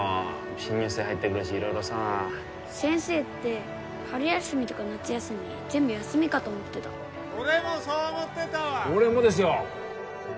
新入生入ってくるし色々さ先生って春休みとか夏休み全部休みかと思ってた俺もそう思ってたわ俺もですよ